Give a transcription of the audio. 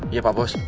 iya pak bos